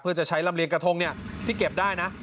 เพื่อจะใช้ลำเลียงกระทงที่เก็บได้นะ